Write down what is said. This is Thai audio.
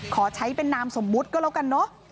ขอใช้เป็นนามสมมติเฉพาะ